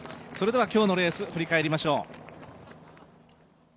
今日のレース振り返りましょう。